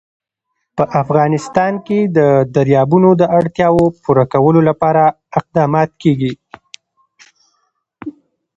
په افغانستان کې د دریابونه د اړتیاوو پوره کولو لپاره اقدامات کېږي.